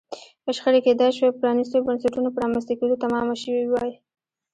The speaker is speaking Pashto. شخړې کېدای شوای پرانیستو بنسټونو په رامنځته کېدو تمامه شوې وای.